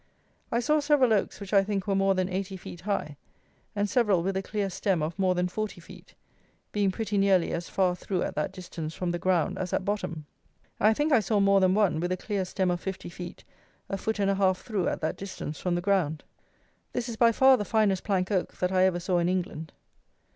I saw several oaks which I think were more than eighty feet high, and several with a clear stem of more than forty feet, being pretty nearly as far through at that distance from the ground as at bottom; and I think I saw more than one, with a clear stem of fifty feet, a foot and a half through at that distance from the ground. This is by far the finest plank oak that I ever saw in England.